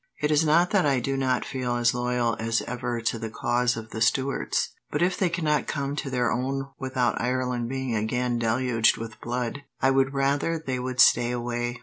It is not that I do not feel as loyal as ever to the cause of the Stuarts, but if they cannot come to their own without Ireland being again deluged with blood, I would rather they would stay away.